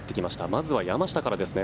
まずは山下からですね。